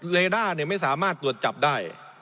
เลด้าไม่สามารถตรวจจับได้